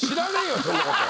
そんなことは。